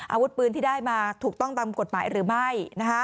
อาวุธปืนที่ได้มาถูกต้องตามกฎหมายหรือไม่